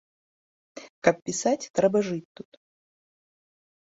Каб пісаць, трэба жыць тут.